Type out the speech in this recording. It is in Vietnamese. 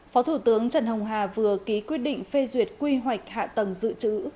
phó thủ tướng trần hồng hà vừa ký quyết định phê duyệt quy hoạch hạ tầng dự trữ